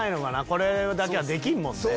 これだけはできんもんね。